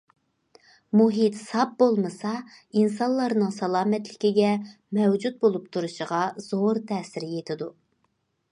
مۇھىت ساپ بولمىسا ئىنسانلارنىڭ سالامەتلىكىگە، مەۋجۇت بولۇپ تۇرۇشىغا زور تەسىر يېتىدۇ.